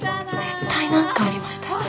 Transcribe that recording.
絶対何かありましたよね。